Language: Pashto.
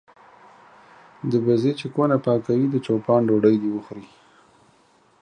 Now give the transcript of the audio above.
د بزې چې کونه کا کوي د چو پان ډوډۍ دي وخوري.